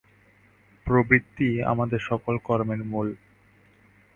প্রবৃত্তিই আমাদের সকল কর্মের মূল।